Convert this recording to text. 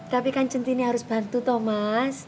tapi kan centini harus bantu thomas